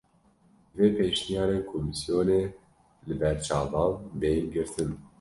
Divê pêşniyarên komîsyonê li ber çavan bên girtin